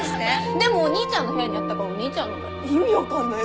でもお兄ちゃんの部屋にあったからお兄ちゃんのだよ。